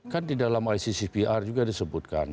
kan di dalam iccpr juga disebutkan